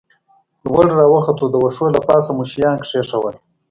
لوړ را وختو، د وښو له پاسه مو شیان کېښوول.